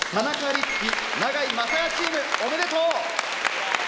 律輝・永井雅弥チームおめでとう！